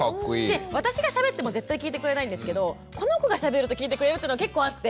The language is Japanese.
で私がしゃべっても絶対聞いてくれないんですけどこの子がしゃべると聞いてくれるっていうの結構あって。